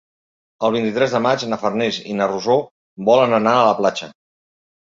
El vint-i-tres de maig na Farners i na Rosó volen anar a la platja.